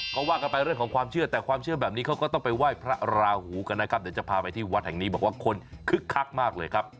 ก็ว่ากันไปเรื่องของความเชื่อแต่ความเชื่อแบบนี้เขาก็ต้องไปไหว้พระราหูกันนะครับเดี๋ยวจะพาไปที่วัดแห่งนี้บอกว่าคนคึกคักมากเลยครับ